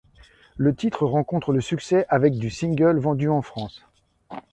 Le titre rencontre le succès avec du single vendus en France.